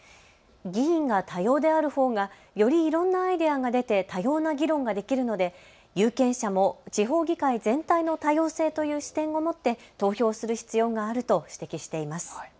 議員が多様である方がよりいろんなアイデアが出て多様な議論ができるので有権者も地方議会全体の多様性という視点を持って投票する必要があると指摘しています。